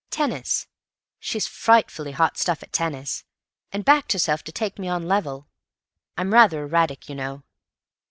Tennis. She's frightfully hot stuff at tennis, and backed herself to take me on level. I'm rather erratic, you know.